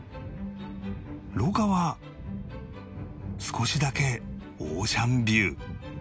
廊下は少しだけオーシャンビュー